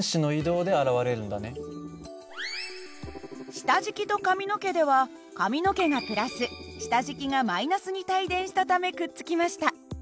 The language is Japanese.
下敷きと髪の毛では髪の毛が下敷きがに帯電したためくっつきました。